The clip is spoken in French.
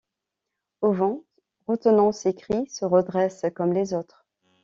Owen, retenant ses cris, se redresse comme les autres.